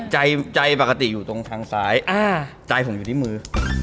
ใจใจปกติอยู่ตรงทางซ้ายใจผมอยู่ที่มือ